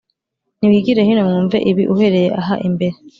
Nimwigire hino mwumve ibi uhereye aha imbere